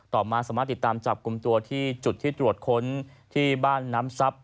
มาสามารถติดตามจับกลุ่มตัวที่จุดที่ตรวจค้นที่บ้านน้ำทรัพย